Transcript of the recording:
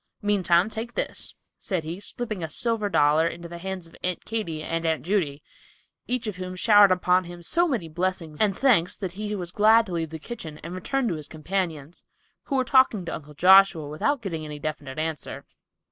Meantime take this," said he, slipping a silver dollar into the hands of Aunt Katy and Aunt Judy, each of whom showered upon him so many blessings and "thankes" that he was glad to leave the kitchen and return to his companions, who were talking to Uncle Joshua without getting any definite answer.